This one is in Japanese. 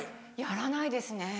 やらないですね。